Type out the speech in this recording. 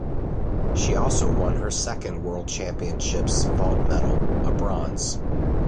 She also won her second World Championships vault medal, a bronze.